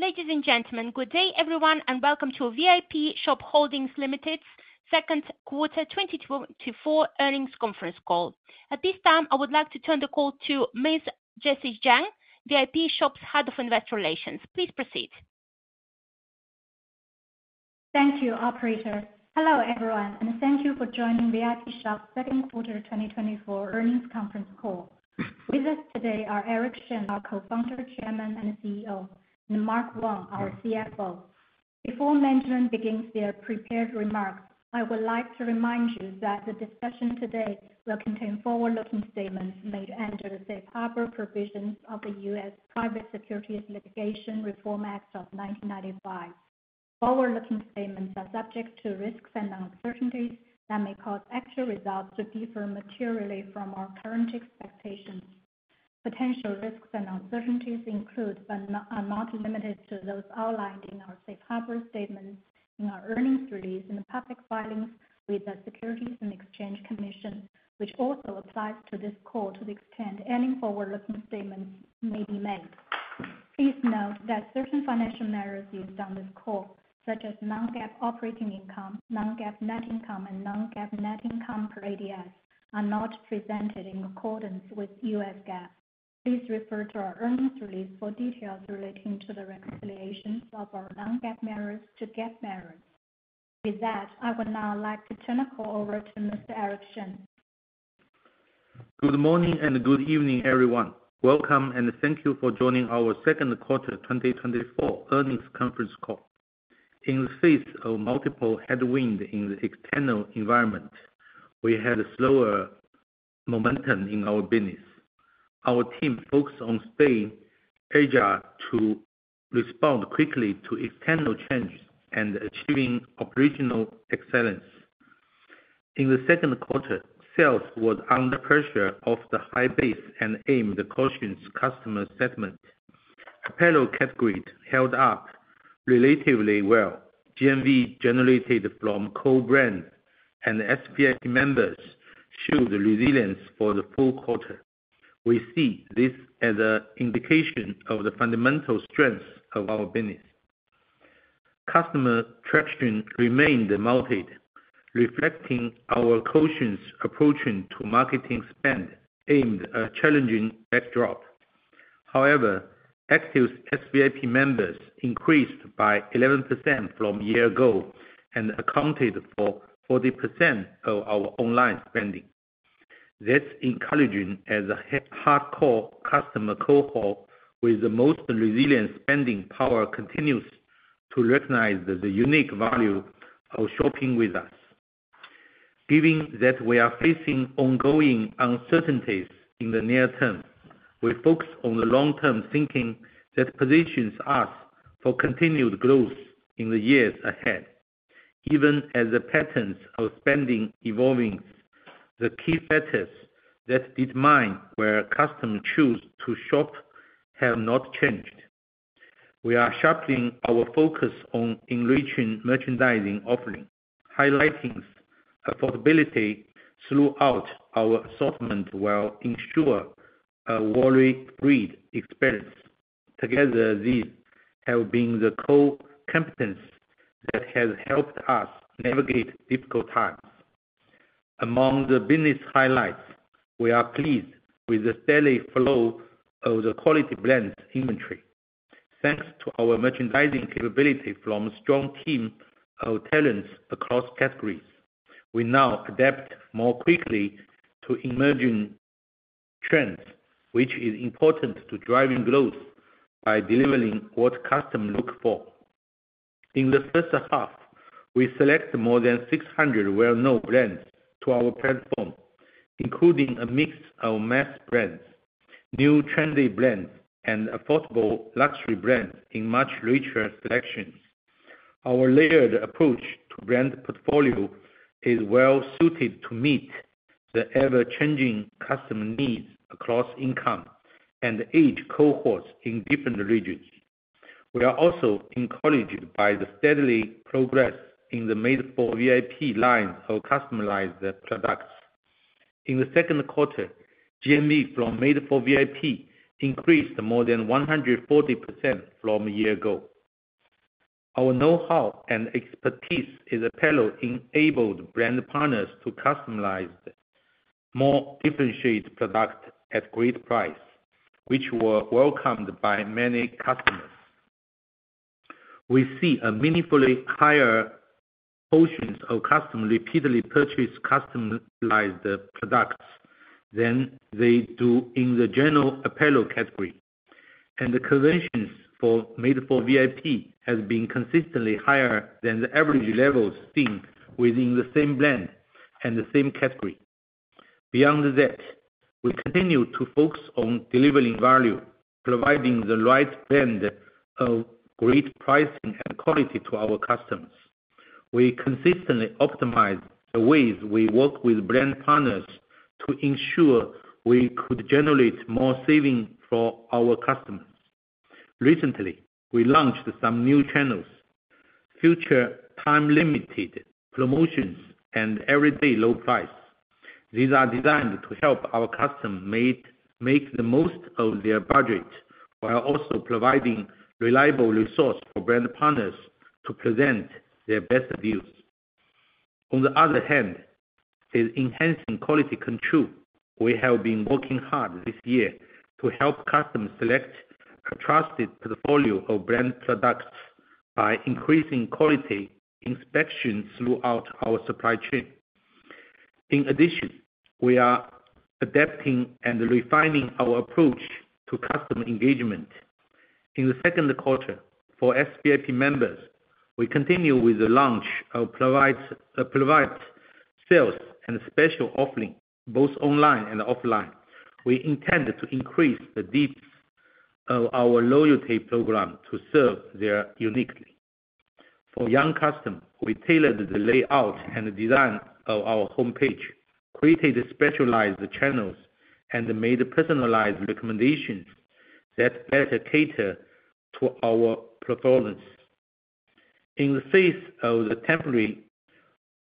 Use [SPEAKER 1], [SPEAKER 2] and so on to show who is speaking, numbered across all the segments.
[SPEAKER 1] Ladies and gentlemen, good day everyone, and welcome to Vipshop Holdings Limited's second quarter 2024 earnings conference call. At this time, I would like to turn the call to Ms. Jessie Zheng, Vipshop's Head of Investor Relations. Please proceed.
[SPEAKER 2] Thank you, operator. Hello, everyone, and thank you for joining Vipshop's second quarter 2024 earnings conference call. With us today are Eric Shen, our Co-founder, Chairman, and CEO, and Mark Wang, our CFO. Before management begins their prepared remarks, I would like to remind you that the discussion today will contain forward-looking statements made under the safe harbor provisions of the U.S. Private Securities Litigation Reform Act of 1995. Forward-looking statements are subject to risks and uncertainties that may cause actual results to differ materially from our current expectations. Potential risks and uncertainties include, but are not limited to those outlined in our safe harbor statements in our earnings release and public filings with the Securities and Exchange Commission, which also applies to this call to the extent any forward-looking statements may be made. Please note that certain financial measures used on this call, such as non-GAAP operating income, non-GAAP net income, and non-GAAP net income per ADS, are not presented in accordance with U.S. GAAP. Please refer to our earnings release for details relating to the reconciliation of our non-GAAP measures to GAAP measures. With that, I would now like to turn the call over to Mr. Eric Shen.
[SPEAKER 3] Good morning and good evening, everyone. Welcome, and thank you for joining our second quarter 2024 earnings conference call. In the face of multiple headwinds in the external environment, we had a slower momentum in our business. Our team focused on staying agile to respond quickly to external changes and achieving operational excellence. In the second quarter, sales was under pressure of the high base and amid the cautious customer sentiment. Apparel category held up relatively well. GMV generated from core brands and SVIP members showed resilience for the full quarter. We see this as an indication of the fundamental strengths of our business. Customer traction remained muted, reflecting our cautious approach to marketing spend amid a challenging backdrop. However, active SVIP members increased by 11% from a year ago and accounted for 40% of our online spending. That's encouraging as a hardcore customer cohort with the most resilient spending power continues to recognize the unique value of shopping with us. Given that we are facing ongoing uncertainties in the near term, we focus on the long-term thinking that positions us for continued growth in the years ahead. Even as the patterns of spending evolving, the key factors that determine where customers choose to shop have not changed. We are sharpening our focus on enriching merchandising offering, highlighting affordability throughout our assortment will ensure a worry-free experience. Together, these have been the core competence that has helped us navigate difficult times. Among the business highlights, we are pleased with the steady flow of the quality brands inventory. Thanks to our merchandising capability from strong team of talents across categories, we now adapt more quickly to emerging trends, which is important to driving growth by delivering what customers look for. In the first half, we select more than 600 well-known brands to our platform, including a mix of mass brands, new trendy brands, and affordable luxury brands in much richer selections. Our layered approach to brand portfolio is well-suited to meet the ever-changing customer needs across income and age cohorts in different regions. We are also encouraged by the steady progress in the Made For VIP line of customized products. In the second quarter, GMV from Made For VIP increased more than 140% from a year ago. Our know-how and expertise in apparel enabled brand partners to customize more differentiated product at great price, which were welcomed by many customers. We see a meaningfully higher portions of customers repeatedly purchase customized products than they do in the general apparel category. And the conversions for Made For VIP has been consistently higher than the average levels seen within the same brand and the same category. Beyond that, we continue to focus on delivering value, providing the right brand of great pricing and quality to our customers. We consistently optimize the ways we work with brand partners to ensure we could generate more savings for our customers. Recently, we launched some new channels, future time-limited promotions and Everyday Low Price. These are designed to help our customers make the most of their budget, while also providing reliable resource for brand partners to present their best deals. On the other hand, in enhancing quality control, we have been working hard this year to help customers select a trusted portfolio of brand products by increasing quality inspections throughout our supply chain. In addition, we are adapting and refining our approach to customer engagement. In the second quarter, for SVIP members, we continue with the launch of private sales and special offerings, both online and offline. We intended to increase the depth of our loyalty program to serve them uniquely. For young customers, we tailored the layout and design of our homepage, created specialized channels, and made personalized recommendations that better cater to their preferences. In the face of the temporary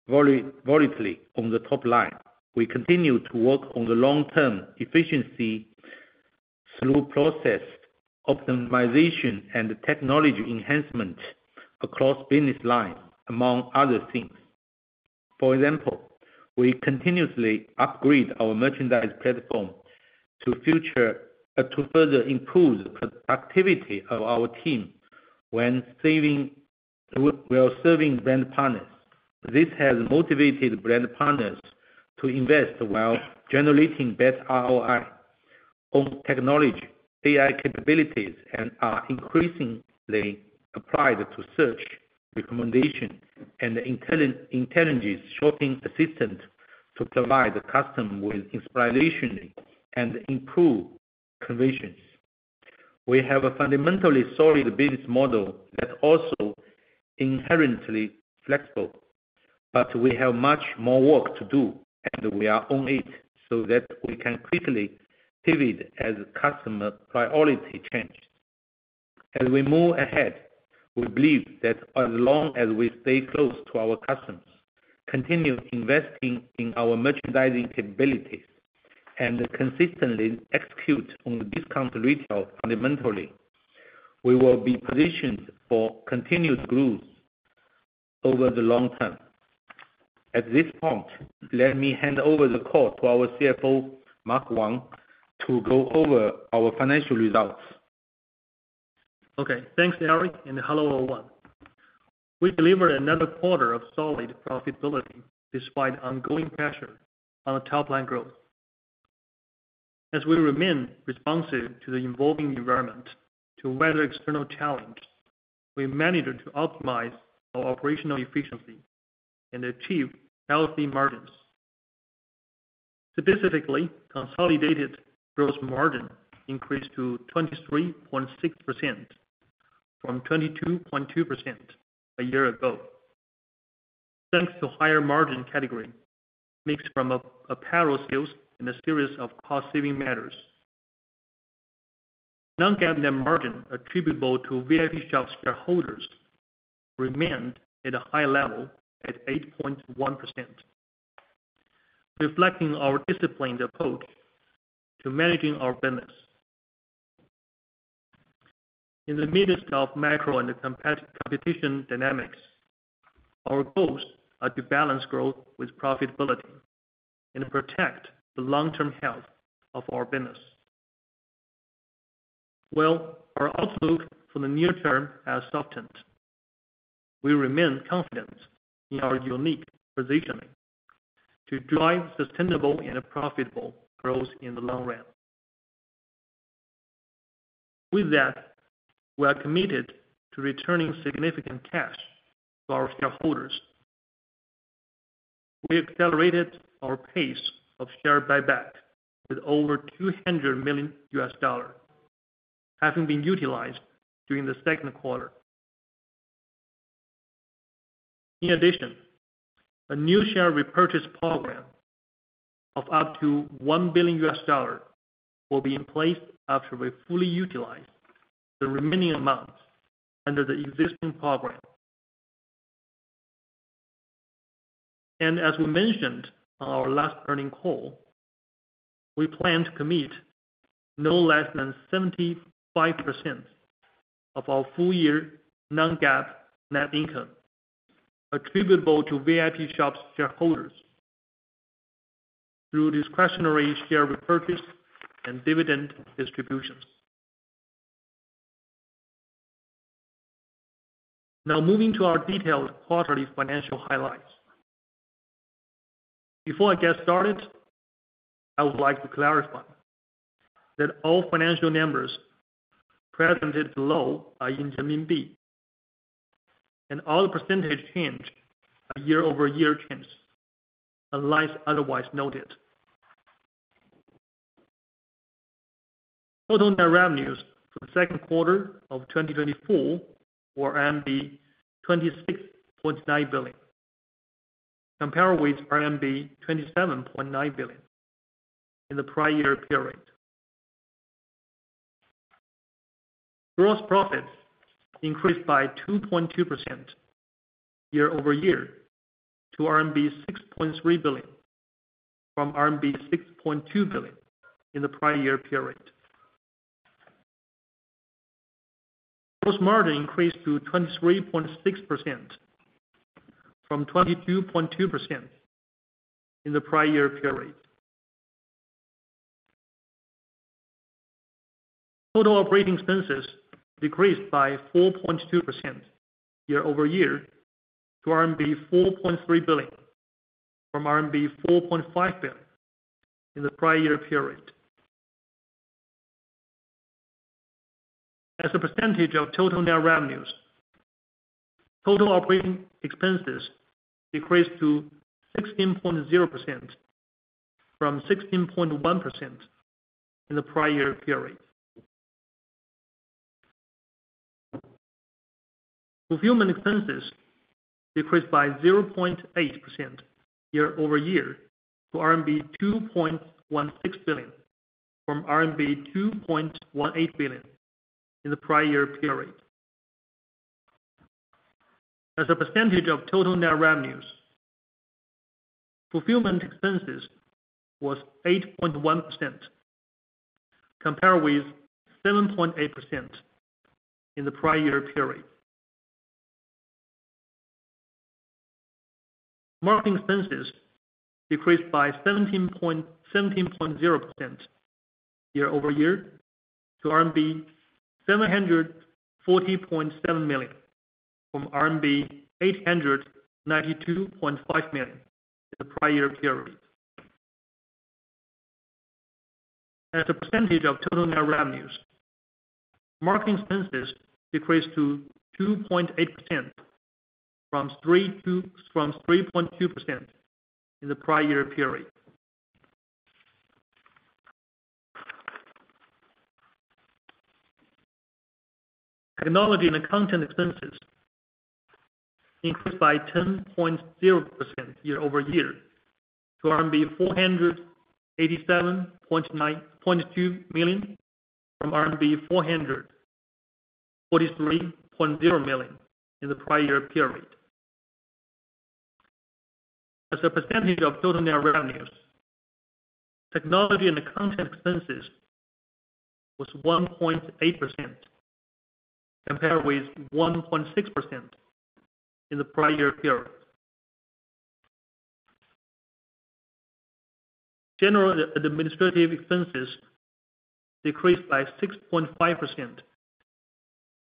[SPEAKER 3] volatility on the top line, we continue to work on the long-term efficiency through process optimization and technology enhancement across business line, among other things. For example, we continuously upgrade our merchandise platform to further improve the productivity of our team while serving brand partners. This has motivated brand partners to invest while generating best ROI on technology, AI capabilities, and are increasingly applied to search, recommendation, and intelligent shopping assistant to provide the customer with inspiration and improve conversions. We have a fundamentally solid business model that's also inherently flexible, but we have much more work to do, and we are on it, so that we can quickly pivot as customer priority changes. As we move ahead, we believe that as long as we stay close to our customers, continue investing in our merchandising capabilities, and consistently execute on discount retail fundamentally, we will be positioned for continued growth over the long term. At this point, let me hand over the call to our CFO, Mark Wang, to go over our financial results.
[SPEAKER 4] Okay. Thanks, Eric, and hello, everyone. We delivered another quarter of solid profitability despite ongoing pressure on the top line growth. As we remain responsive to the evolving environment to weather external challenges, we managed to optimize our operational efficiency and achieve healthy margins. Specifically, consolidated gross margin increased to 23.6% from 22.2% a year ago, thanks to higher-margin category mix from apparel sales and a series of cost-saving measures. Non-GAAP net margin attributable to Vipshop shareholders remained at a high level at 8.1%, reflecting our disciplined approach to managing our business. In the midst of macro and competitive dynamics, our goals are to balance growth with profitability and protect the long-term health of our business. Our outlook for the near term has softened. We remain confident in our unique positioning to drive sustainable and profitable growth in the long run. With that, we are committed to returning significant cash to our shareholders. We accelerated our pace of share buyback with over $200 million having been utilized during the second quarter. In addition, a new share repurchase program of up to $1 billion will be in place after we fully utilize the remaining amounts under the existing program. As we mentioned on our last earnings call, we plan to commit no less than 75% of our full-year non-GAAP net income attributable to Vipshop's shareholders through discretionary share repurchase and dividend distributions. Now, moving to our detailed quarterly financial highlights. Before I get started, I would like to clarify that all financial numbers presented below are in renminbi, and all the percentage change are year-over-year change, unless otherwise noted. Total net revenues for the second quarter of 2024 were RMB 26.9 billion, compared with RMB 27.9 billion in the prior year period. Gross profits increased by 2.2% year-over-year to RMB 6.3 billion, from RMB 6.2 billion in the prior year period. Gross margin increased to 23.6% from 22.2% in the prior year period. Total operating expenses decreased by 4.2% year-over-year to RMB 4.3 billion, from RMB 4.5 billion in the prior year period. As a percentage of total net revenues, total operating expenses decreased to 16.0% from 16.1% in the prior year period. Fulfillment expenses decreased by 0.8% year-over-year to RMB 2.16 billion, from RMB 2.18 billion in the prior year period. As a percentage of total net revenues, fulfillment expenses was 8.1% compared with 7.8% in the prior year period. Marketing expenses decreased by seventeen point, seventeen point zero percent year-over-year to RMB 740.7 million, from RMB 892.5 million in the prior year period. As a percentage of total net revenues, marketing expenses decreased to 2.8% from three two, from 3.2% in the prior year period. Technology and content expenses increased by 10.0% year-over-year to RMB 487.92 million, from RMB 443.0 million in the prior year period. As a percentage of total net revenues, technology and content expenses was 1.8% compared with 1.6% in the prior year period. General administrative expenses decreased by 6.5%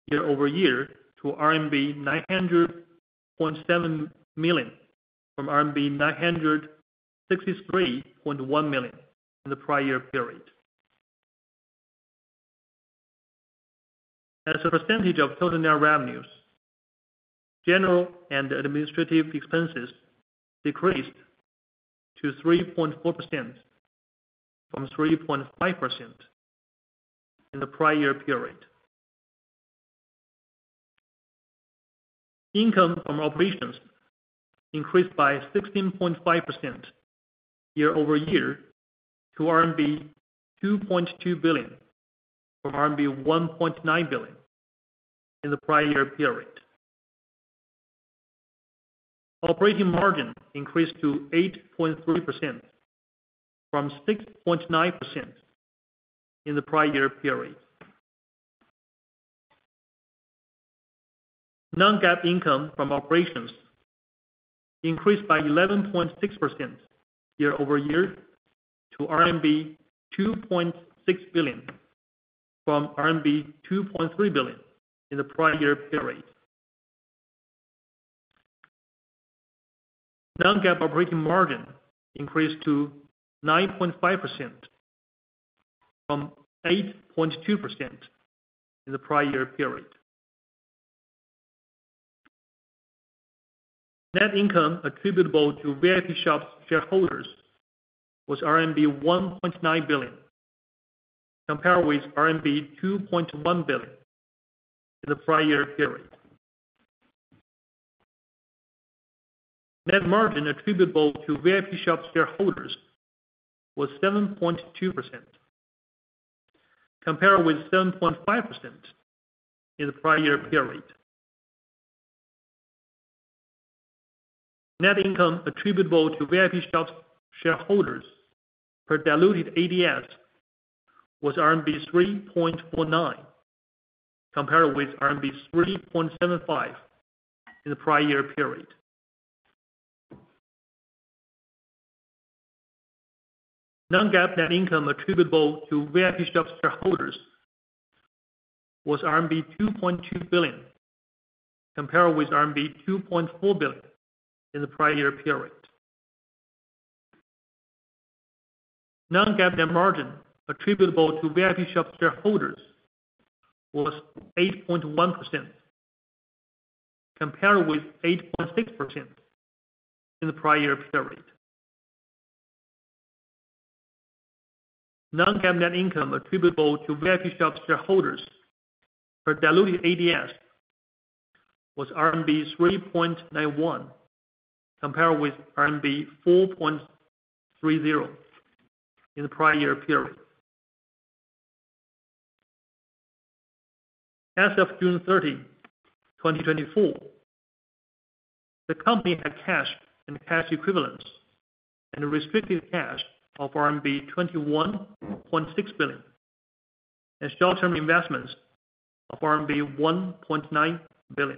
[SPEAKER 4] year-over-year to RMB 900.7 million, from RMB 963.1 million in the prior year period. As a percentage of total net revenues, general and administrative expenses decreased to 3.4% from 3.5% in the prior year period. Income from operations increased by 16.5% year-over-year to RMB 2.2 billion, from RMB 1.9 billion in the prior year period. Operating margin increased to 8.3% from 6.9% in the prior year period. Non-GAAP income from operations increased by 11.6% year-over-year to RMB 2.6 billion, from RMB 2.3 billion in the prior year period. Non-GAAP operating margin increased to 9.5% from 8.2% in the prior year period. Net income attributable to Vipshop's shareholders was RMB 1.9 billion, compared with RMB 2.1 billion in the prior year period. Net margin attributable to Vipshop shareholders was 7.2%, compared with 7.5% in the prior year period. Net income attributable to Vipshop's shareholders per diluted ADS was 3.49, compared with RMB 3.75 in the prior year period. Non-GAAP net income attributable to VIPshop shareholders was 2.2 billion, compared with RMB 2.4 billion in the prior year period. Non-GAAP net margin attributable to VIPshop shareholders was 8.1%, compared with 8.6% in the prior year period. Non-GAAP net income attributable to VIPshop shareholders per diluted ADS was RMB 3.91, compared with RMB 4.30 in the prior period. As of June 30, 2024, the company had cash and cash equivalents and restricted cash of RMB 21.6 billion, and short-term investments of RMB 1.9 billion.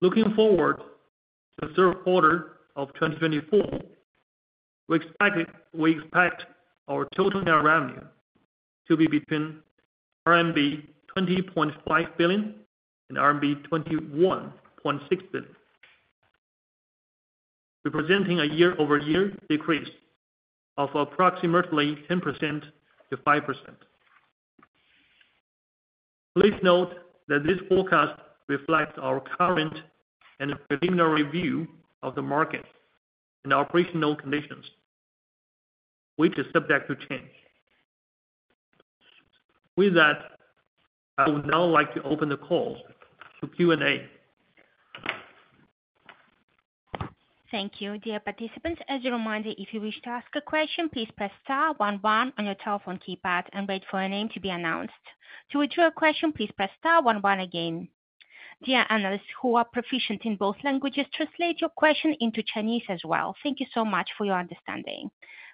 [SPEAKER 4] Looking forward to the third quarter of 2024, we expect our total net revenue to be between RMB 20.5 billion and RMB 21.6 billion, representing a year-over-year decrease of approximately 10% to 5%. Please note that this forecast reflects our current and preliminary view of the market and operational conditions, which is subject to change. With that, I would now like to open the call to Q&A.
[SPEAKER 1] Thank you. Dear participants, as a reminder, if you wish to ask a question, please press star one one on your telephone keypad and wait for your name to be announced. To withdraw your question, please press star one one again. Dear analysts, who are proficient in both languages, translate your question into Chinese as well. Thank you so much for your understanding.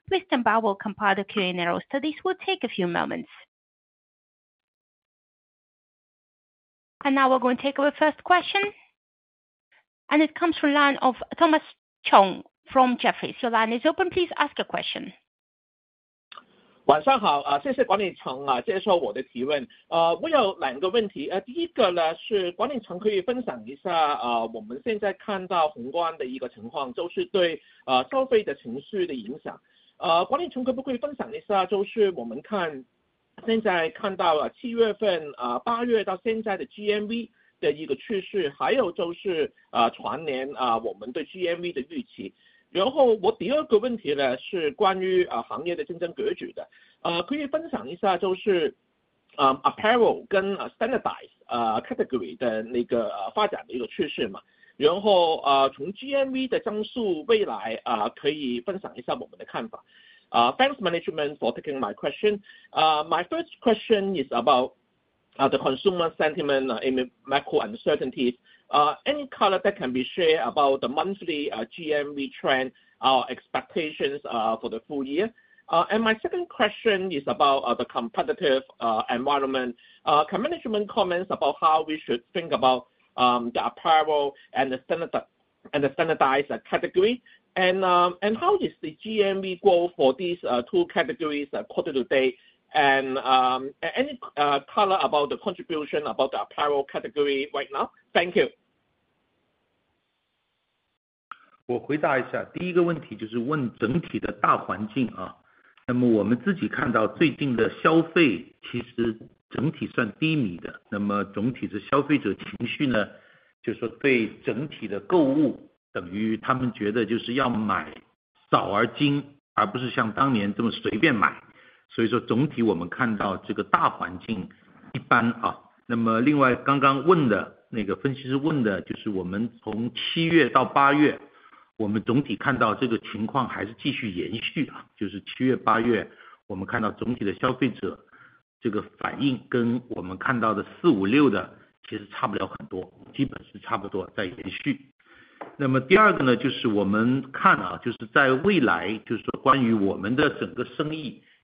[SPEAKER 1] Please stand by, we'll compile the Q&A roster. This will take a few moments. Now we're going to take our first question, and it comes from line of Thomas Chong from Jefferies. Your line is open. Please ask your question.
[SPEAKER 5] Thanks management for taking my question. My first question is about the consumer sentiment in the macro uncertainties. Any color that can be shared about the monthly GMV trend expectations for the full year? And my second question is about the competitive environment. Can management comment about how we should think about the apparel and the standardized category? And how is the GMV growth for these two categories quarter to date? And any color about the contribution about the apparel category right now? Thank you.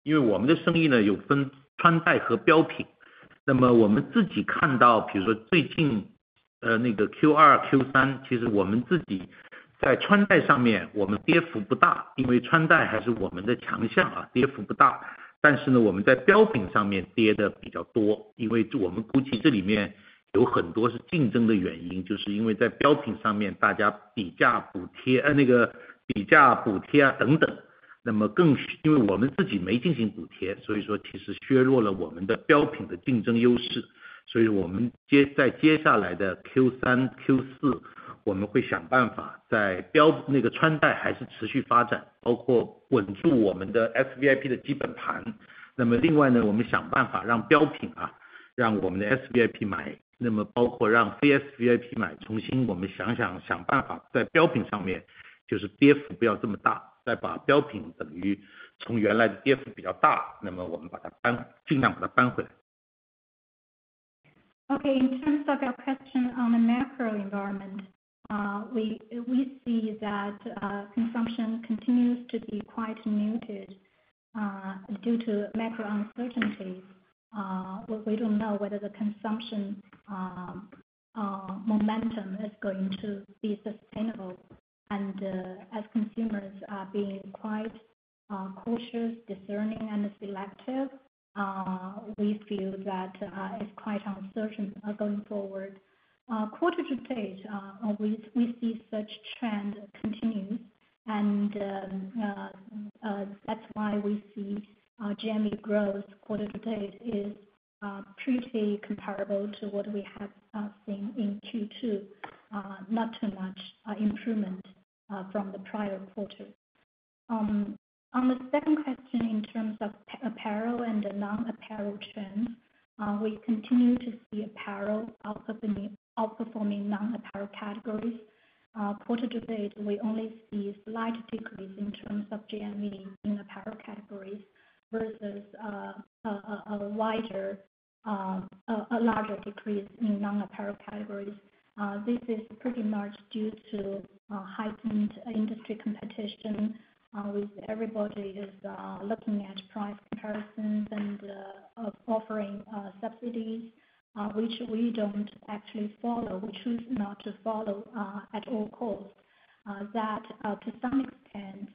[SPEAKER 2] Okay, in terms of your question on the macro environment, we see that consumption continues to be quite muted due to macro uncertainties. We don't know whether the consumption momentum is going to be sustainable. And, as consumers are being quite cautious, discerning, and selective, we feel that it's quite uncertain going forward. Quarter to date, we see such trend continuing, and that's why we see our GMV growth quarter to date is pretty comparable to what we have seen in Q2. Not too much improvement from the prior quarter. On the second question, in terms of apparel and non-apparel trends, we continue to see apparel outperforming non-apparel categories. Quarter to date, we only see slight decrease in terms of GMV in apparel categories versus a wider, larger decrease in non-apparel categories. This is pretty much due to heightened industry competition with everybody is looking at price comparisons and offering subsidies, which we don't actually follow. We choose not to follow at all costs. That, to some extent,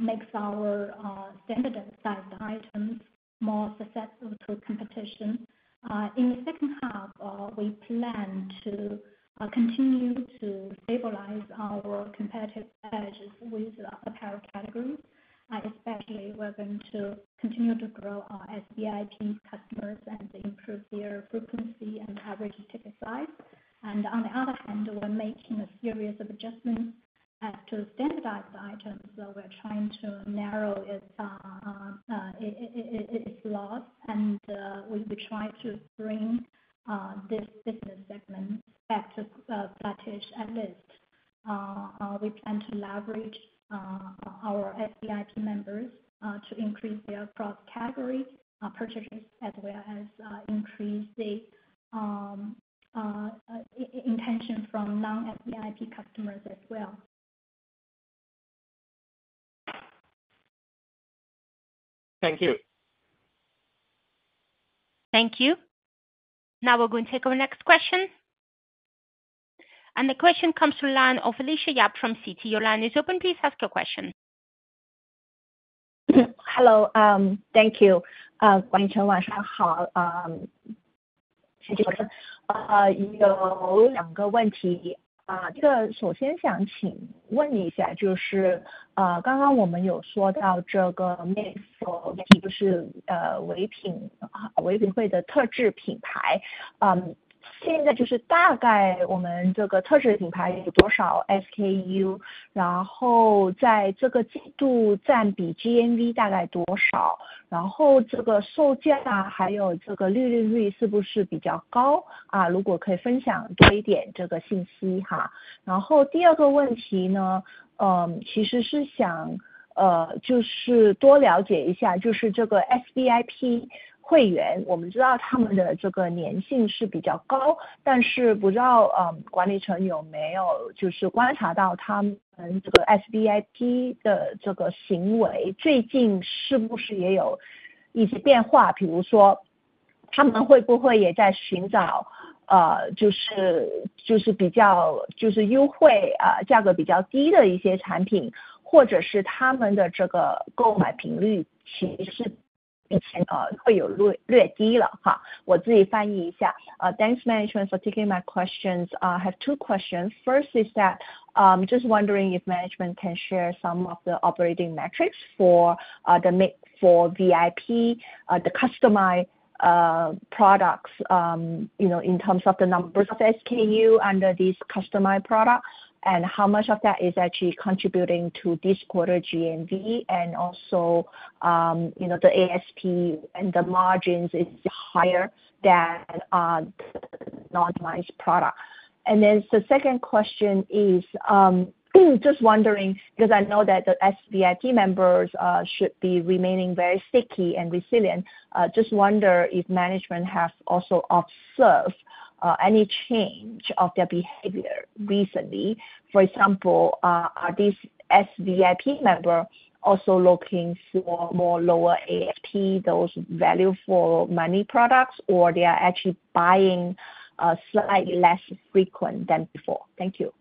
[SPEAKER 2] makes our standard sized items more successful to competition. In the second half, we plan to continue to stabilize our competitive edges with apparel categories, and especially we're going to continue to grow our SVIP customers and improve their frequency and average ticket size, and on the other hand, we're making a series of adjustments as to standardize the items. So we're trying to narrow its loss. And we try to bring this business segment back to status at least. We plan to leverage our SVIP members to increase their cross-category purchases, as well as increase the intention from non-SVIP customers as well.
[SPEAKER 5] Thank you.
[SPEAKER 1] Thank you. Now we're going to take our next question. And the question comes from the line of Alicia Yap from Citi. Your line is open. Please ask your question.
[SPEAKER 6] Hello. Thank you.
[SPEAKER 7] Thanks, management, for taking my questions. I have two questions. First is that, just wondering if management can share some of the operating metrics for the Made for VIP, the customized products, you know, in terms of the numbers of SKU under these customized products, and how much of that is actually contributing to this quarter GMV, and also, you know, the ASP and the margins is higher than the normalized product. And then the second question is, just wondering, because I know that the SVIP members should be remaining very sticky and resilient. Just wonder if management has also observed any change of their behavior recently. For example, are these SVIP member also looking for more lower ASP, those value for money products, or they are actually buying slightly less frequent than before? Thank you.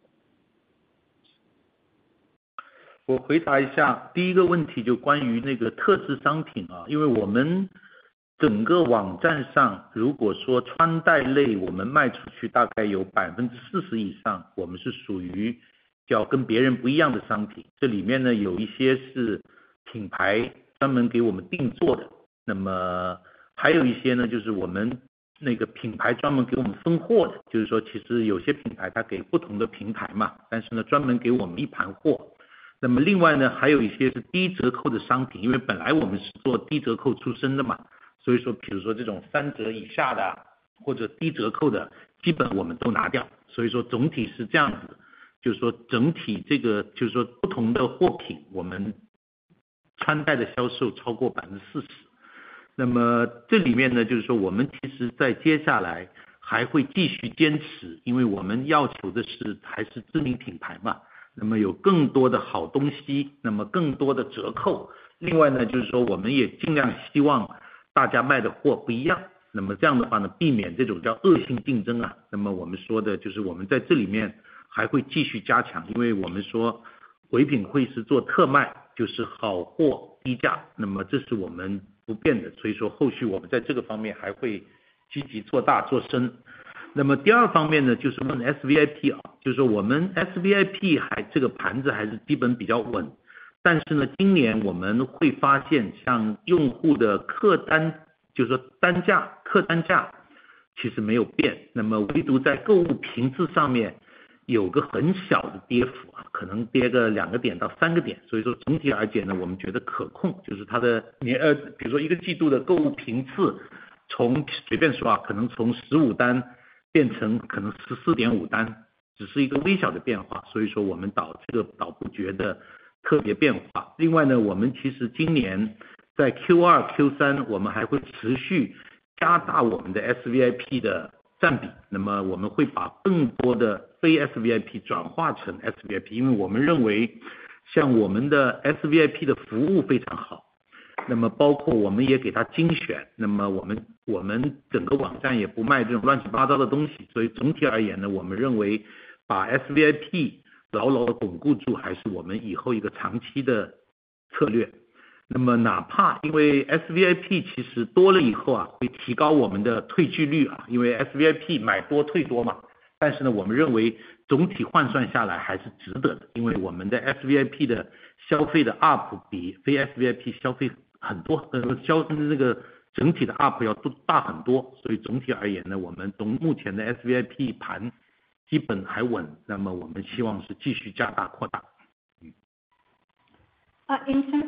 [SPEAKER 7] In terms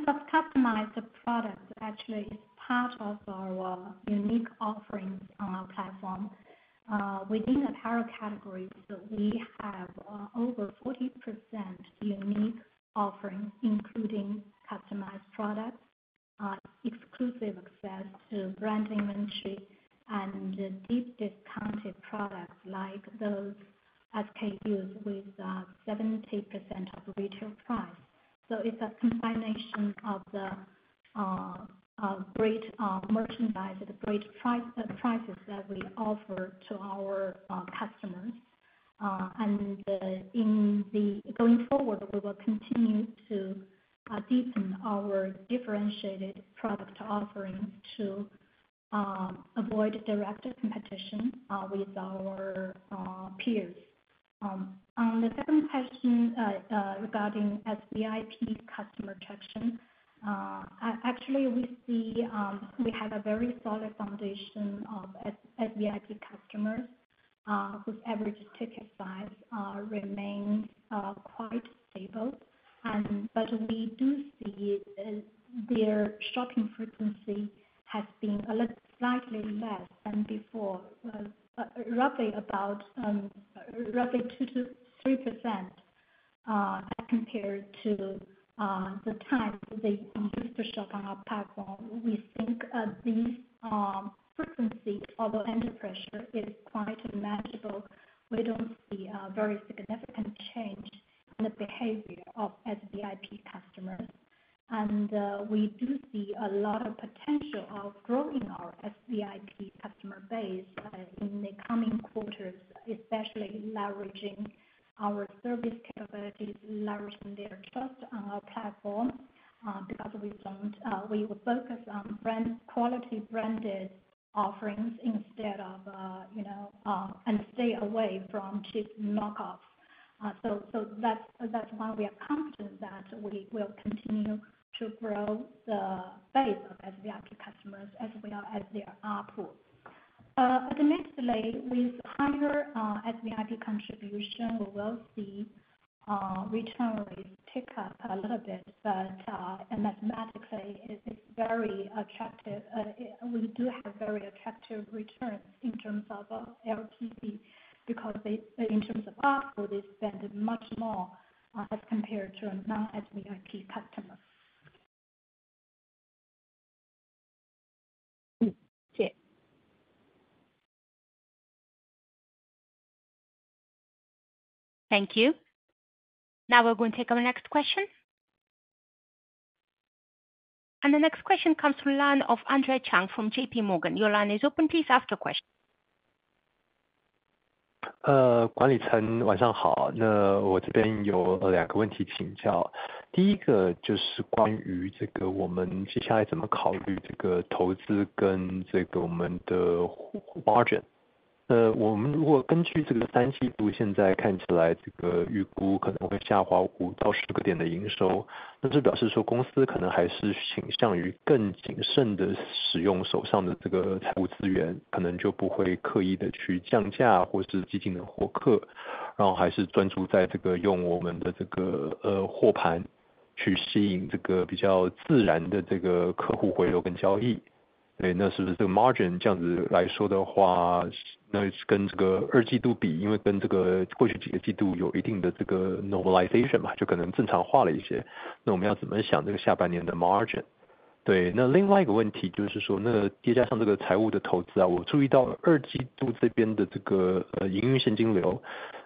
[SPEAKER 7] of customized products, actually is part of our unique offerings on our platform. Within apparel categories, we have over 40% unique offerings, including customized products, exclusive access to brand inventory and deep discounted products like those SKUs with 70% of retail price. So it's a combination of the great merchandise at a great price, prices that we offer to our customers. And in the going forward, we will continue to deepen our differentiated product offerings to avoid direct competition with our peers. On the second question, regarding SVIP customer retention. Actually we see, we have a very solid foundation of SVIP customers, whose average ticket size remain quite stable. But we do see their shopping frequency has been a little slightly less than before, roughly about, roughly 2-3%, as compared to the time they used to shop on our platform. We think these frequency of under pressure is quite manageable. We don't see a very significant change in the behavior of SVIP customers, and we do see a lot of potential of growing our SVIP customer base in the coming quarters, especially leveraging our service capabilities, leveraging their trust on our platform, because we will focus on brand, quality branded offerings instead of you know, and stay away from cheap knockoffs. So, so that's, that's why we are confident that we will continue to grow the base of SVIP customers as well as their output. But immediately with higher SVIP contribution, we will see return rate tick up a little bit. And mathematically, it is very attractive. We do have very attractive returns in terms of ROI, because they, in terms of output, spend much more as compared to a non SVIP customer. Um, thank you.
[SPEAKER 1] Thank you. Now we're going to take our next question. The next question comes from the line of Andre Chang from J.P. Morgan. Your line is open. Please ask your question.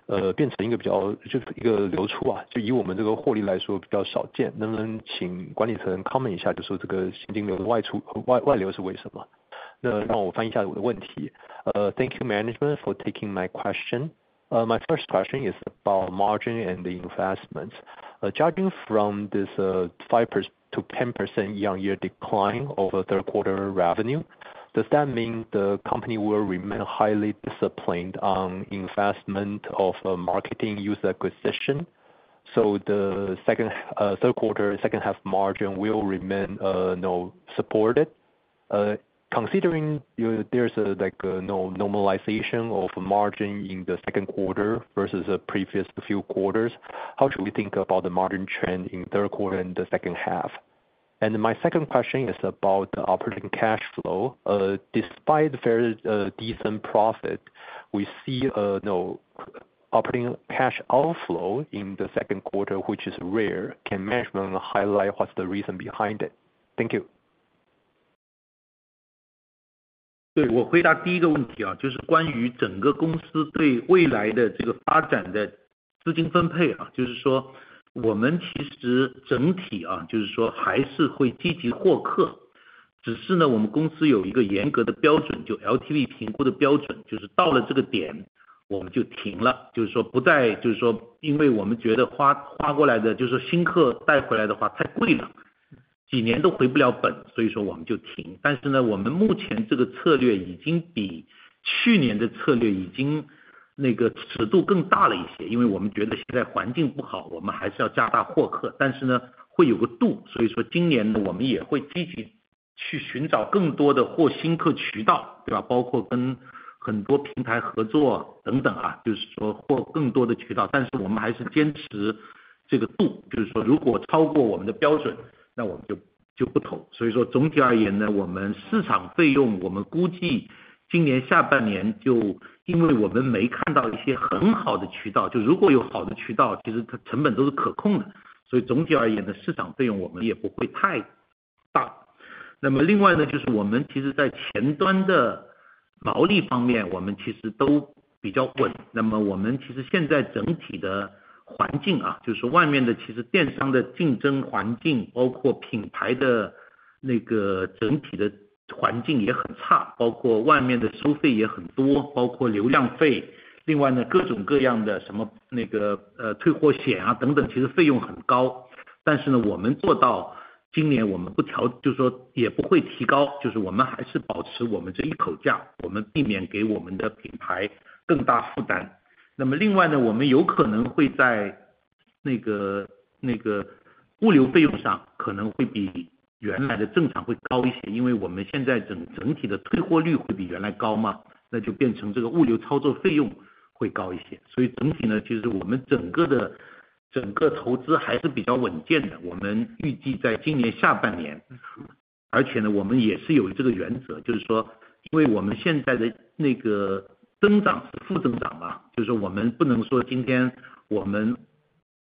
[SPEAKER 7] Thank you, management, for taking my question. My first question is about margin and the investment. Judging from this 5%-10% year-on-year decline over the third quarter revenue, does that mean the company will remain highly disciplined on investment of a marketing user acquisition? So the second, third quarter, second half margin will remain, you know, supported. Considering you, there's a, like, no normalization of margin in the second quarter versus the previous few quarters, how should we think about the margin trend in third quarter and the second half? And my second question is about the operating cash flow. Despite very decent profit, we see, you know, operating cash outflow in the second quarter, which is rare. Can management highlight what's the reason behind it? Thank you.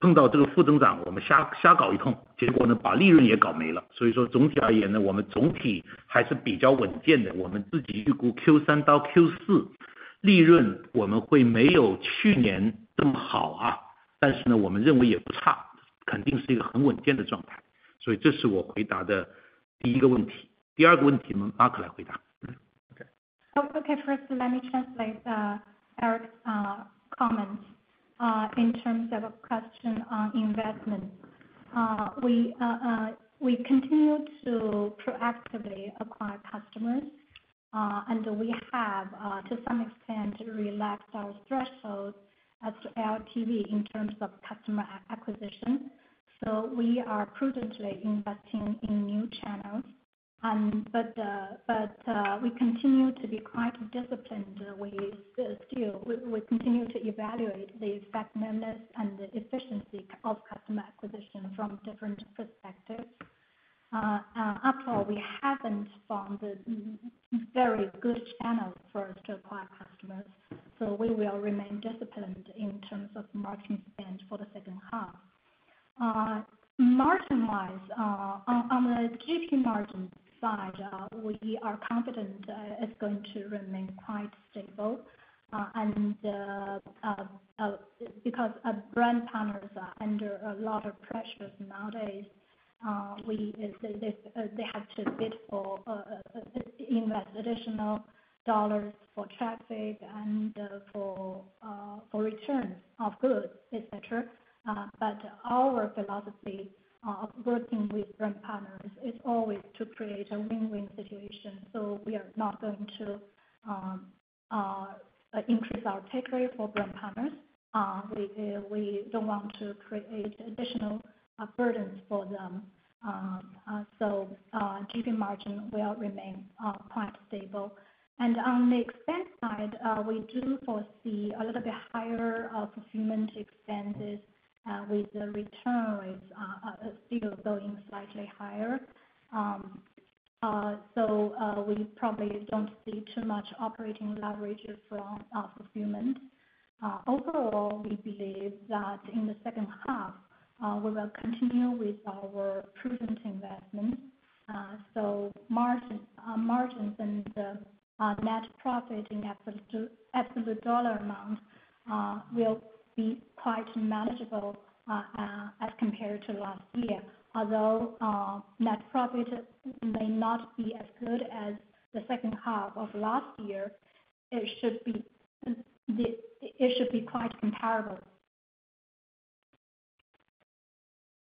[SPEAKER 7] Oh, okay. First, let me translate Eric's comments in terms of a question on investment. We continue to proactively acquire customers, and we have to some extent relaxed our thresholds as to LTV in terms of customer acquisition. So we are prudently investing in new channels, but we continue to be quite disciplined the way we still continue to evaluate the effectiveness and the efficiency of customer acquisition from different perspectives. And after all, we haven't found a very good channel for us to acquire customers, so we will remain disciplined in terms of marketing spend for the second half. Margin-wise, on the GP margin side, we are confident it's going to remain quite stable. Because our brand partners are under a lot of pressures nowadays, they have to bid for, invest additional dollars for traffic and for return of goods, et cetera. But our philosophy of working with brand partners is always to create a win-win situation. So we are not going to increase our take rate for brand partners. We don't want to create additional burdens for them. So GP margin will remain quite stable. And on the expense side, we do foresee a little bit higher fulfillment expenses with the return rates still going slightly higher. So we probably don't see too much operating leverage from fulfillment. Overall, we believe that in the second half, we will continue with our prudent investment. So margins and net profit in absolute dollar amount will be quite manageable as compared to last year. Although net profit may not be as good as the second half of last year, it should be quite comparable.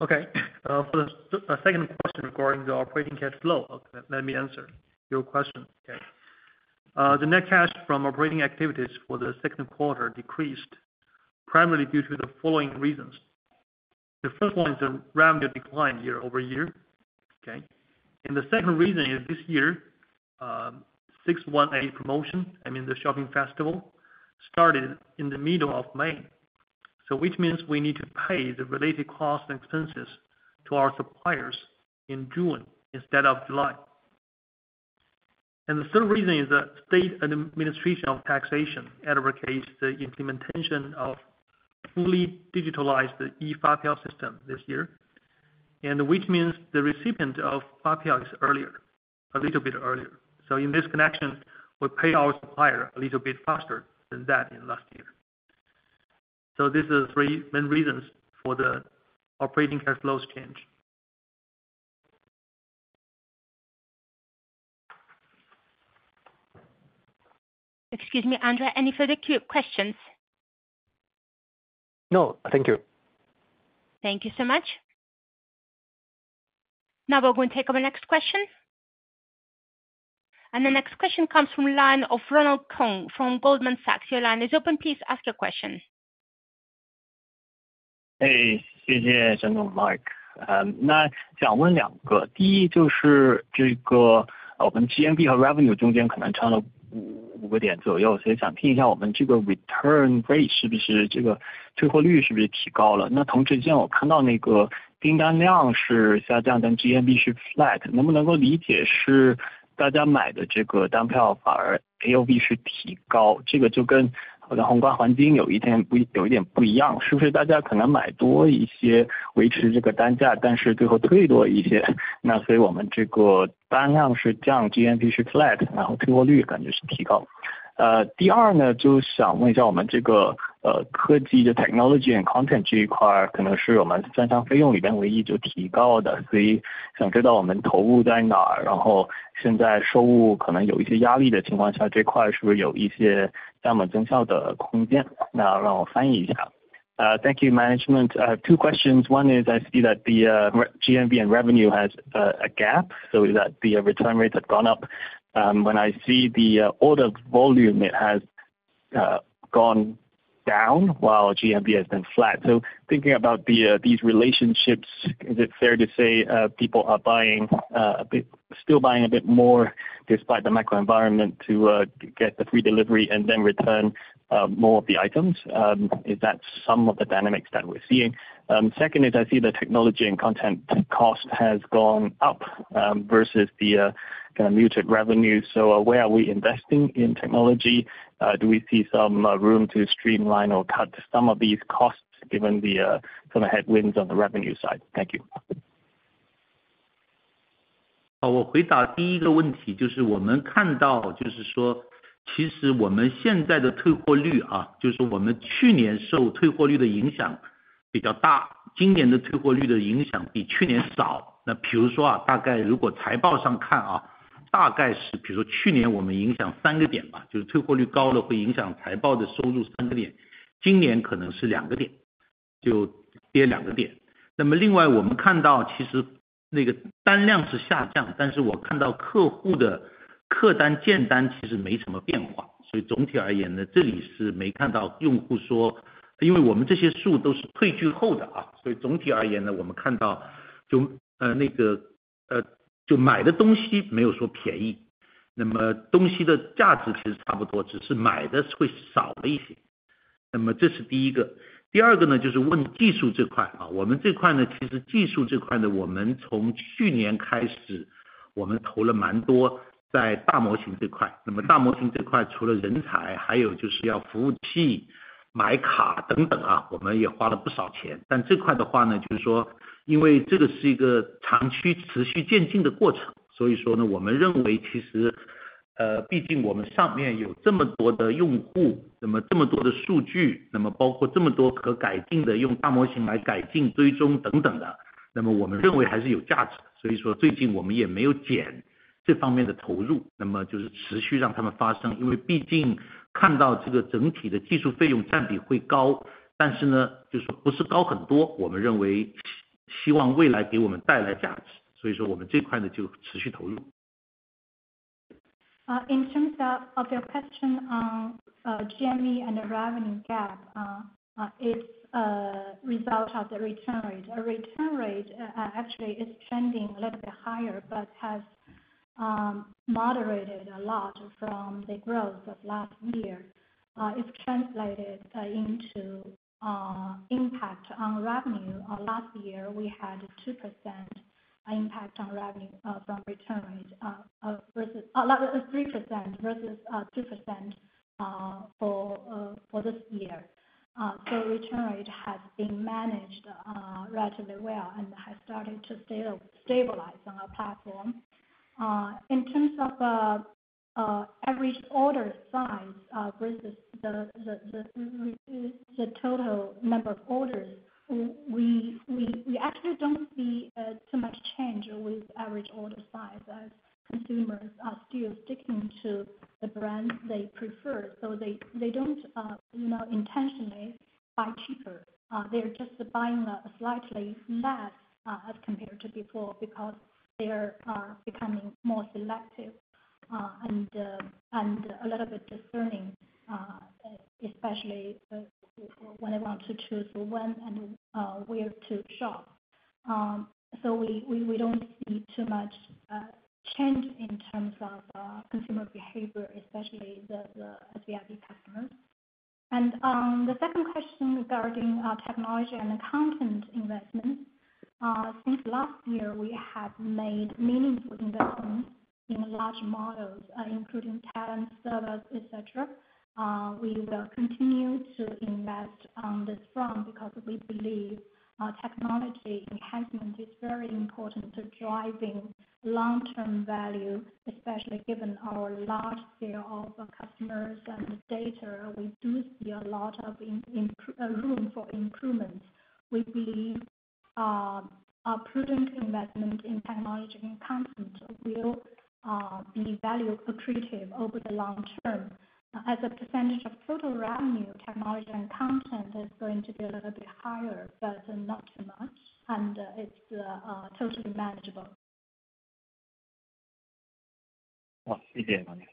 [SPEAKER 4] ...Okay. For the second question regarding the operating cash flow. Okay, let me answer your question. Okay. The net cash from operating activities for the second quarter decreased primarily due to the following reasons. The first one is the revenue decline year over year. Okay? And the second reason is this year, 618 promotion, I mean, the shopping festival, started in the middle of May. So which means we need to pay the related costs and expenses to our suppliers in June instead of July. And the third reason is that State Administration of Taxation advocates the implementation of fully digitalized the E-fapiao system this year, and which means the recipient of fapiao is earlier, a little bit earlier. So in this connection, we pay our supplier a little bit faster than that in last year. So this is three main reasons for the operating cash flows change.
[SPEAKER 1] Excuse me, Andrew, any further questions?
[SPEAKER 8] No, thank you.
[SPEAKER 1] Thank you so much. Now we're going to take our next question. And the next question comes from line of Ronald Keung from Goldman Sachs. Your line is open. Please ask your question.
[SPEAKER 9] Hey, 谢谢, Mark. 那我想问两个, 第一就是这个我们GMV和revenue中间可能差了五-五个点左右, 所以想听一下我们这个return rate是不是这个退货率是不是提高了？那同时既然我看到那个订单量是下降, 但GMV是flat, 能不能够理解是大家买的这个单票反而AOV是提高, 这个就跟好像红光黄金有一天有一点不一样, 是不是大家可能买多一些, 维持这个单价, 但是最后退多一些, 那所以我们这个单量是降GMV是flat, 然后退货率感觉是提高。第二呢, 就想问一下, 我们这个科技的technology and content这一块, 可能是我们三项费用里边唯一就提高的, 所以想知道我们投入在哪儿, 然后现在收入可能有一些压力的情况下, 这一块是不是有一些加码增效的空间？那让我翻译一下. Thank you, management.
[SPEAKER 7] I have two questions. One is I see that the re, GMV and revenue has a gap, so is that the return rates have gone up? When I see the order volume, it has gone down while GMV has been flat. So thinking about these relationships, is it fair to say people are buying a bit, still buying a bit more despite the macro environment to get the free delivery and then return more of the items? Is that some of the dynamics that we're seeing? Second is, I see the technology and content cost has gone up versus the kind of muted revenue. So where are we investing in technology? Do we see some room to streamline or cut some of these costs given the headwinds on the revenue side? Thank you. In terms of your question on GMV and the revenue gap, it's a result of the return rate. Our return rate actually is trending a little bit higher, but has moderated a lot from the growth of last year. It's translated into impact on revenue. Last year we had 2% impact on revenue from return rate, 3% versus 2% for this year. Return rate has been managed relatively well and has started to stabilize on our platform. In terms of average order size versus the total number of orders, we actually do not see too much change with average order size as consumers are still sticking to the brands they prefer. So they don't, you know, intentionally buy cheaper, they are just buying slightly less, as compared to before, because they are becoming more selective, and a little bit discerning, especially when they want to choose when and where to shop. So we don't see too much change in terms of consumer behavior, especially the SVIP customers. And the second question regarding our technology and content investment. Since last year, we have made meaningful investments in large models, including talent, service, etc. We will continue to invest on this front, because we believe technology enhancement is very important to driving long-term value, especially given our large scale of customers and the data. We do see a lot of room for improvement. We believe our prudent investment in technology and content will be value accretive over the long term. As a percentage of total revenue, technology and content is going to be a little bit higher, but not too much, and it's totally manageable. Thank you, management.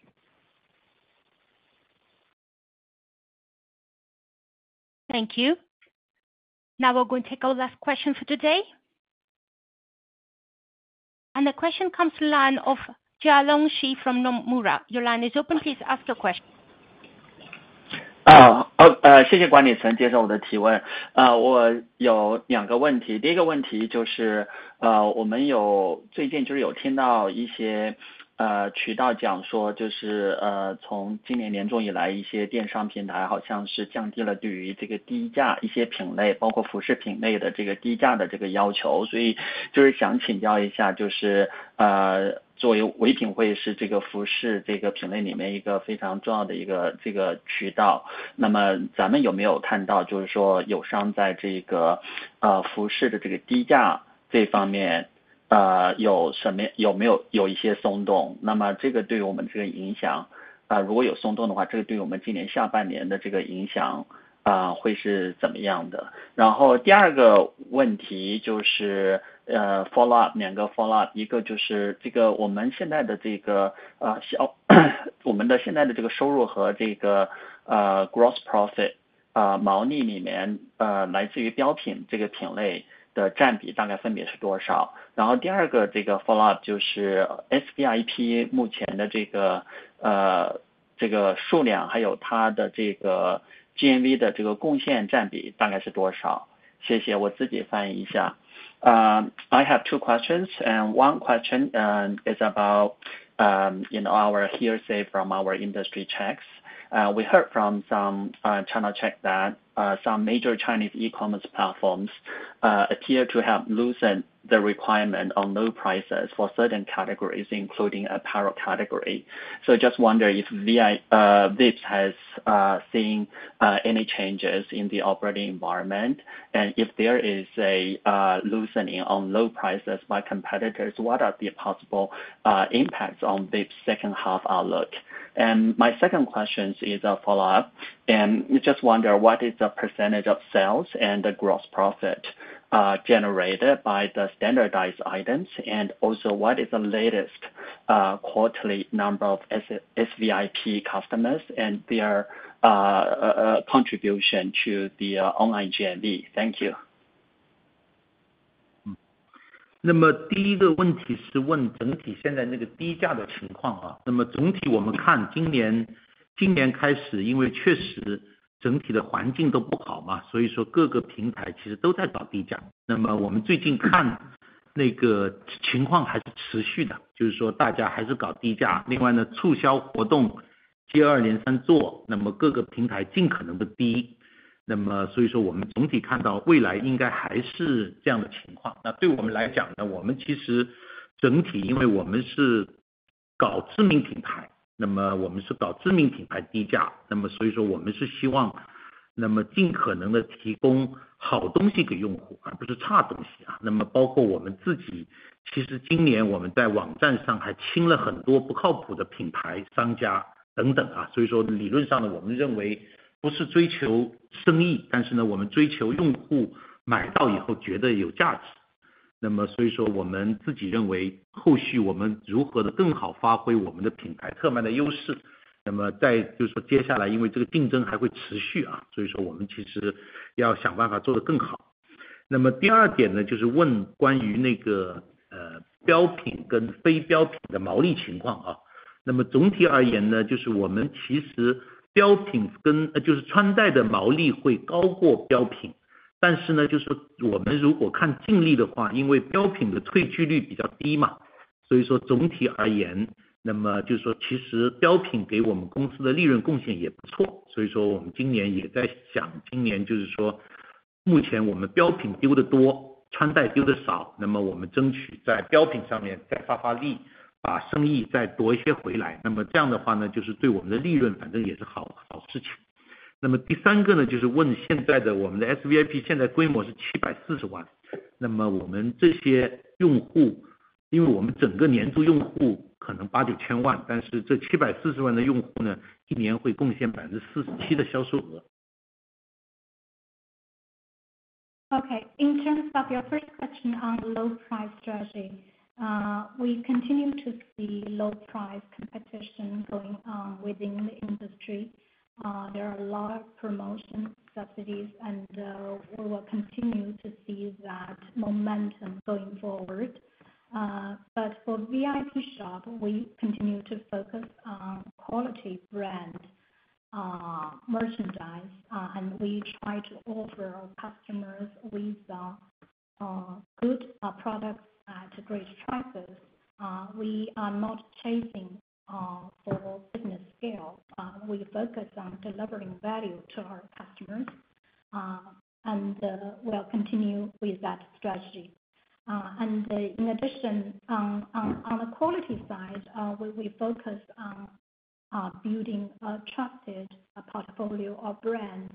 [SPEAKER 1] Thank you. Now we're going to take our last question for today. And the question comes to line of Jialong Shi from Nomura. Your line is open, please ask your question.
[SPEAKER 10] Thank you, management, for taking my questions. I have two questions. The first question is, we have recently heard from some channel checks that since the middle of this year, some e-commerce platforms seem to have lowered the requirements for low prices in certain categories, including the apparel category. I would like to ask, as Vipshop is a very important channel in the apparel category, have we seen competitors showing any loosening in low price requirements in apparel? If so, what would be the impact on us in the second half of this year? The second question is a follow-up, actually two follow-ups. One is, in our current revenue and gross profit, what is the approximate proportion coming from the standard product category? The second follow-up is, what is the current number of SVIP members and what is their approximate GMV contribution? Thank you. I will translate for myself. I have two questions, and one question is about our hearsay from our industry checks. We heard from some channel check that some major Chinese e-commerce platforms appear to have loosened the requirement on low prices for certain categories, including apparel category. I just wonder if VIPS has seen any changes in the operating environment, and if there is a loosening on low prices by competitors, what are the possible impacts on the second half outlook? My second question is a follow-up, and we just wonder what is the percentage of sales and the gross profit generated by the standardized items? And also, what is the latest quarterly number of SVIP customers and their contribution to the online GMV? Thank you.
[SPEAKER 3] 就是穿戴的毛利会高过标品，但是呢，就是说我们如果看净利的话，因为标品的退货率比较低嘛，所以说总体而言，那么就是说，其实标品给我们公司的利润贡献也不错。所以说我们今年也在想，今年就是说目前我们标品丢得多，穿戴丢得少，那么我们争取在标品上面再发力，把生意再多一些回来。那么这样的话呢，就是对我们的利润反正也是好，好事情。
[SPEAKER 7] ...Okay, in terms of your first question on low price strategy, we continue to see low price competition going on within the industry. There are a lot of promotion subsidies, and we will continue to see that momentum going forward. But for Vipshop, we continue to focus on quality brand merchandise, and we try to offer our customers with good products at great prices. We are not chasing for business scale. We focus on delivering value to our customers, and we'll continue with that strategy. In addition, on the quality side, we focus on building a trusted portfolio of brands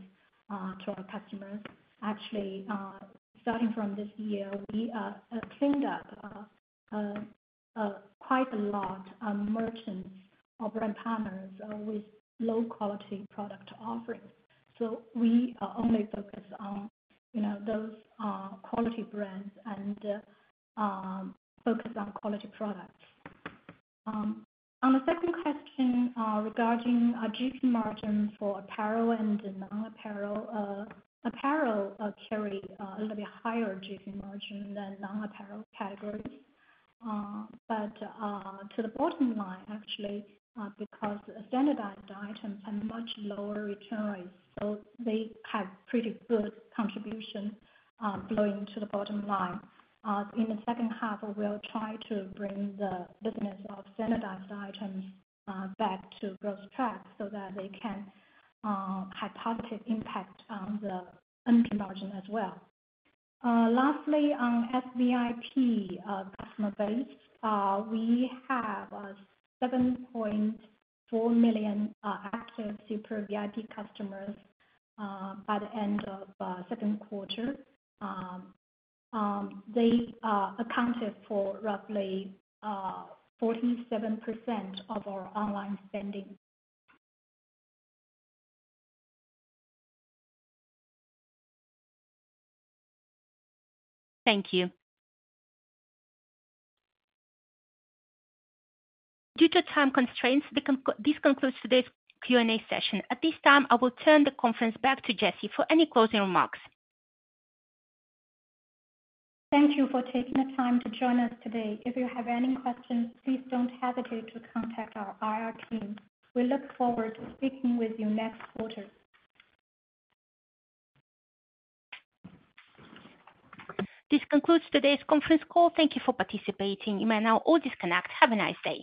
[SPEAKER 7] to our customers. Actually, starting from this year, we cleaned up quite a lot of merchants or brand partners with low quality product offerings. So we only focus on, you know, those quality brands and focus on quality products. On the second question, regarding our GP margin for apparel and non-apparel. Apparel carry a little bit higher GP margin than non-apparel categories. But to the bottom line, actually, because standardized items have much lower return rates, so they have pretty good contribution flowing to the bottom line. In the second half, we'll try to bring the business of standardized items back to growth track so that they can have positive impact on the NP margin as well. Lastly, on SVIP customer base, we have 7.4 million active super VIP customers by the end of second quarter. They accounted for roughly 47% of our online spending.
[SPEAKER 1] Thank you. Due to time constraints, this concludes today's Q&A session. At this time, I will turn the conference back to Jessie for any closing remarks.
[SPEAKER 11] Thank you for taking the time to join us today. If you have any questions, please don't hesitate to contact our IR team. We look forward to speaking with you next quarter.
[SPEAKER 1] This concludes today's conference call. Thank you for participating. You may now all disconnect. Have a nice day.